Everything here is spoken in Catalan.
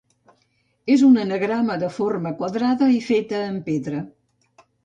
És un anagrama de forma quadrada i feta en pedra.